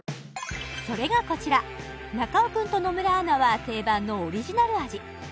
それがこちら中尾くんと野村アナは定番のオリジナル味